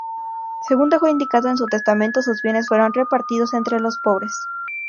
Según dejó indicado en su testamento sus bienes fueron repartidos entre los pobres.